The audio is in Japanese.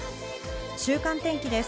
週間天気です。